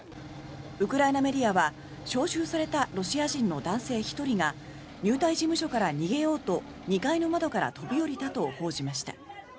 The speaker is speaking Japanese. ウクライナメディアは招集されたロシア人の男性１人が入隊事務所から逃げようと２階の窓から飛び降りたと報じました。